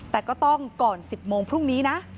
แต่ก็ต้องก่อน๑๐โมงพรุ่งนี้นะ